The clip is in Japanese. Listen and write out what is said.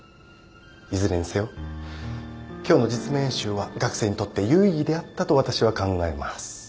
いずれにせよ今日の実務演習は学生にとって有意義であったと私は考えます。